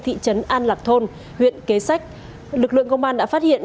thị trấn an lạc thôn huyện kế sách lực lượng công an đã phát hiện